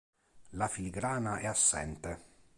La filigrana è assente.